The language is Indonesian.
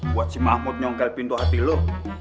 buat si mahmud nyongkel pintu hati lo